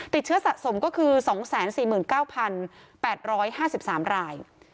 ติดเชื้อสะสมก็คือ๒๔๙๘๕๓ราย